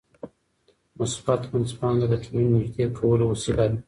مثبت منځپانګه د ټولنې نږدې کولو وسیله ده.